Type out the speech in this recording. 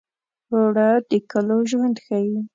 اوړه د کلو ژوند ښيي